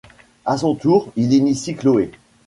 À son tour, il initie Chloé.